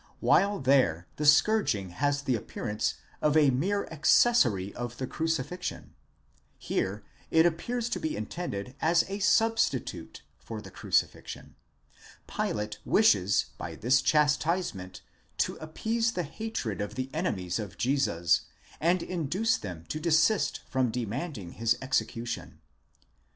while there the scourging has the appearance of a mere accessory of the crucifixion, here it appears to be intended as a substitute for the cruci fixion : Pilate wishes by this chastisement to appease the hatred of the enemies of Jesus, and induce them to desist from demanding his execution.